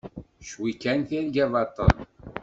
Cwi kan tirga baṭel!